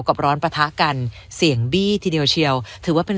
กับร้อนปะทะกันเสียงบี้ทีเดียวเชียวถือว่าเป็น